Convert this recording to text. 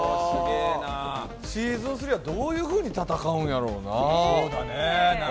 シーズン３はどういうふうに戦うんやろな。